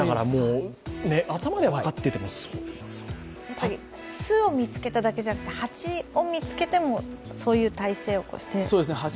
頭では分かっていても巣を見つけただけじゃなくて蜂を見つけた場合でもそういう体勢を？